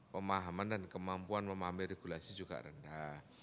pemahaman dan kemampuan memahami regulasi juga rendah